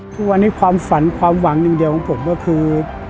ทุกวันนี้ความฝันความหวังอย่างเดียวของผมก็คือ